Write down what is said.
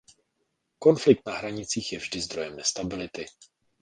Konflikt na hranicích je vždy zdrojem nestability.